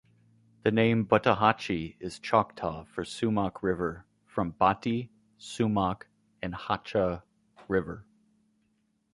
The name "Buttahatchee" is Choctaw for "sumac river", from "bati", "sumac", and "hahcha", "river".